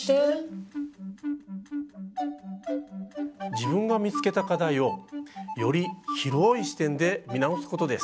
自分が見つけた課題をより広い視点で見直すことです。